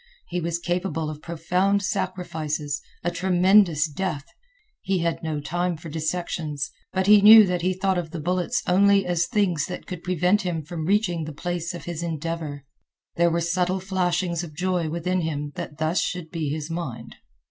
He was capable of profound sacrifices, a tremendous death. He had no time for dissections, but he knew that he thought of the bullets only as things that could prevent him from reaching the place of his endeavor. There were subtle flashings of joy within him that thus should be his mind.